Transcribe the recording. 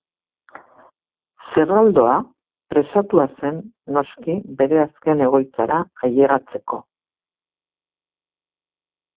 Zerraldoa presatua zen noski bere azken egoitzara ailegatzeko.